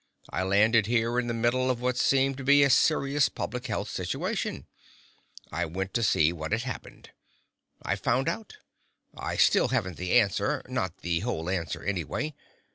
I landed here in the middle of what seemed to be a serious public health situation. I went to see what had happened. I've found out. I still haven't the answer,—not the whole answer anyway.